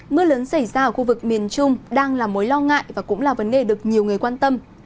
mưa lớn xảy ra ở khu vực miền trung đang là mối lo ngại và cũng là vấn đề được nhiều người quan tâm